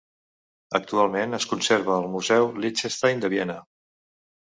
Actualment es conserva al Museu Liechtenstein de Viena.